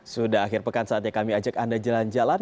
sudah akhir pekan saatnya kami ajak anda jalan jalan